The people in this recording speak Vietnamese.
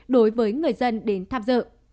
đối với người dân đến tham dự